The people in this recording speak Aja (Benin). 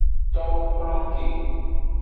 Towo kplon ke.